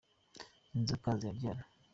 inzoka ziraryana.